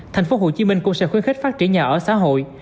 tp hcm cũng sẽ khuyến khích phát triển nhà ở xã hội